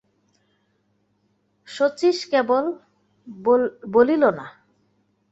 শচীশ কেবল বলিল, না।